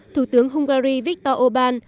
thủ tướng hungary viktor orbán